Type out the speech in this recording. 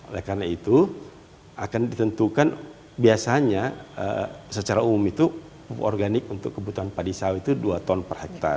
oleh karena itu akan ditentukan biasanya secara umum itu pupuk organik untuk kebutuhan padi saw itu dua ton per hektare